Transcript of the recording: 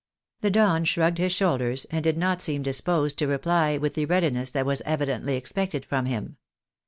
The Don shrugged his shoulders, and did not seem disposed to reply with the readiness that was evidently expected from him.